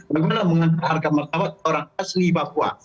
karena mengangkat harta mahasiswa orang asli papua